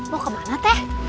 mau kemana teh